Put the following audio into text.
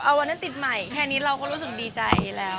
วันนั้นติดใหม่แค่นี้เราก็รู้สึกดีใจแล้ว